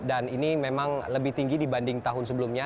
dan ini memang lebih tinggi dibanding tahun sebelumnya